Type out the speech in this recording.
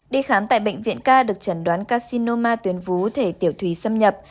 đi khám tại bệnh viện k được chẩn đoán carcinoma tuyến vú thể tiểu thủy xâm nhập